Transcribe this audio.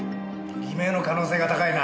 偽名の可能性が高いな。